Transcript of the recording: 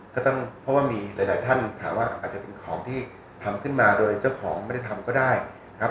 ก็ต้องเพราะว่ามีหลายท่านถามว่าอาจจะเป็นของที่ทำขึ้นมาโดยเจ้าของไม่ได้ทำก็ได้ครับ